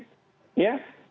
maupun di landas kontinen